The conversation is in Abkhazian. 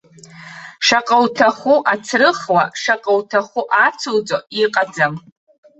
Шаҟа уҭаху ацрыхуа, шаҟа уҭаху ацуҵо иҟаӡам.